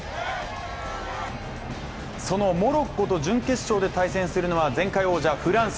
そのモロッコと準決勝で対戦するのは前回王者・フランス。